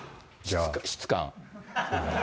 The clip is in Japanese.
質感。